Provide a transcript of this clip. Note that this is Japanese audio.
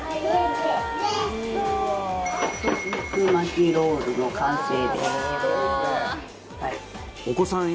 鈴木：肉巻きロールの完成です。